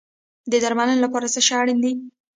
د درملنې لپاره څه شی اړین دی؟